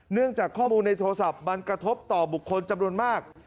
เนื่องจากข้อมูลในโทรศัพท์มันกระทบต่อบุคคลจำนวนมาก